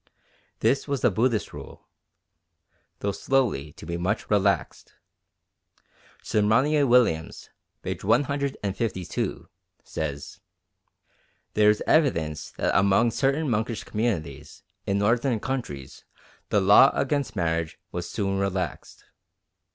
This was the Buddhist rule, though slowly to be much relaxed. Sir Monier Williams, p. 152, says, "There is evidence that among certain monkish communities in Northern countries the law against marriage was soon relaxed.